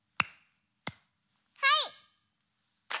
はい！